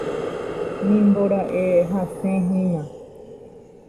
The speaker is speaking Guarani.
nimbora'e hasẽhína